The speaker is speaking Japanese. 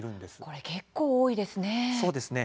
これ結構、多いですね。